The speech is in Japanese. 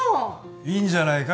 いいんじゃないか？